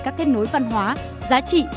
các kết nối văn hóa giá trị